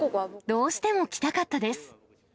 どうしても来たかったです。